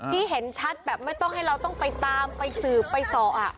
ที่เห็นชัดแบบไม่ต้องให้เราต้องไปตามไปสืบไปสอบ